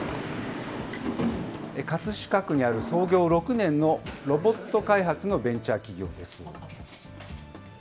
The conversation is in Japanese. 葛飾区にある創業６年のロボット開発のベンチャー企業です。